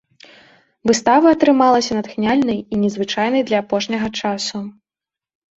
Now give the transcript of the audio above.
Выстава атрымалася натхняльнай і незвычайнай для апошняга часу.